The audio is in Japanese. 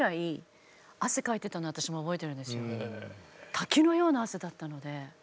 滝のような汗だったので。